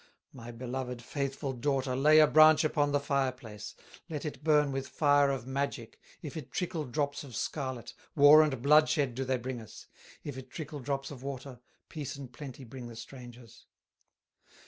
My beloved, faithful daughter, Lay a branch upon the fire place, Let it burn with fire of magic; If it trickle drops of scarlet, War and bloodshed do they bring us; If it trickle drops of water, Peace and plenty bring the strangers."